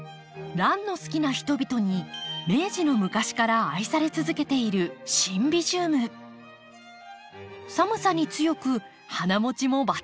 ランの好きな人々に明治の昔から愛され続けている寒さに強く花もちも抜群。